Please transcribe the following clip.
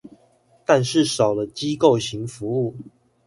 但是少了機構型服務